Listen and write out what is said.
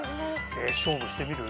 勝負してみる？